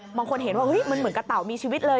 บางคนเห็นว่ามันเหมือนกระเต่ามีชีวิตเลย